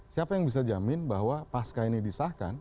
siapa yang bisa jamin bahwa pasca ini disahkan